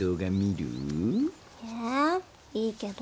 いいけど。